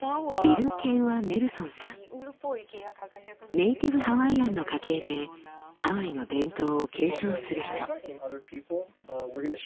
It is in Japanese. ネイティブハワイアンの家系でハワイの伝統を継承する人。